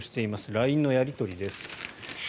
ＬＩＮＥのやり取りです。